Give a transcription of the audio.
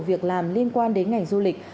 việc làm liên quan đến ngành du lịch